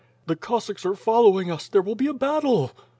"The Cossacks are following us, there will be a battle."